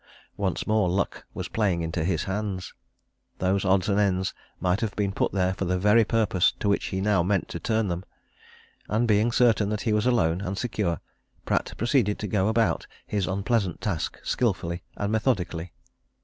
Once more luck was playing into his hands those odds and ends might have been put there for the very purpose to which he now meant to turn them. And being certain that he was alone, and secure, Pratt proceeded to go about his unpleasant task skilfully and methodically.